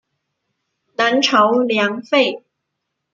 南朝梁废。